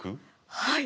はい！